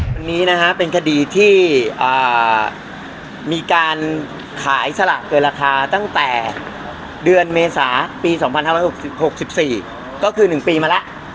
วันนี้นะฮะเป็นคดีที่มีการขายสลากเกินราคาตั้งแต่เดือนเมษาปี๒๕๖๖๔ก็คือ๑ปีมาแล้ว